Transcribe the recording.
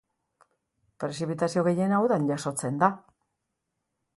Prezipitazio gehiena udan jasotzen da.